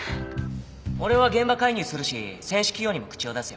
俺は現場介入するし選手起用にも口を出すよ。